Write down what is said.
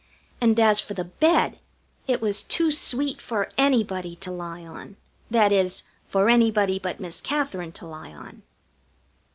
And as for the bed, it was too sweet for anybody to lie on that is, for anybody but Miss Katherine to lie on.